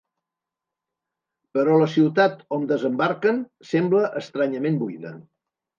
Però la ciutat on desembarquen sembla estranyament buida.